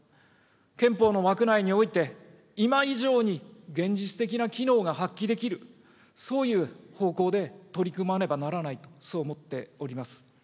憲法の枠内において、今以上に現実的な機能が発揮できる、そういう方向で取り組まねばならないと、そう思っております。